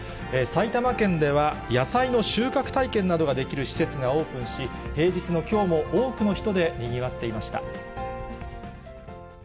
埼玉県では、野菜の収穫体験などができる施設がオープンし、平日のきょうも、多くの人でにぎわっていました。